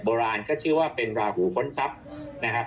โบราณก็ชื่อว่าเป็นราหูค้นทรัพย์นะครับ